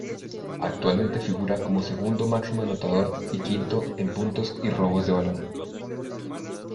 Actualmente figura como segundo máximo anotador, y quinto en puntos y robos de balón.